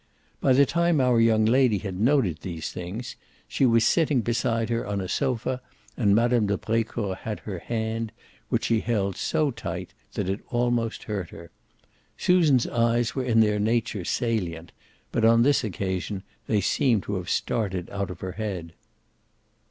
By the time our young lady had noted these things she was sitting beside her on a sofa and Mme. de Brecourt had her hand, which she held so tight that it almost hurt her. Susan's eyes were in their nature salient, but on this occasion they seemed to have started out of her head.